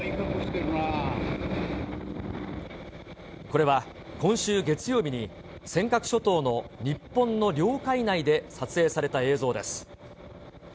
これは今週月曜日に、尖閣諸島の日本の領海内で撮影された映像です。